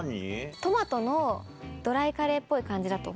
トマトのドライカレーっぽい感じだと思います。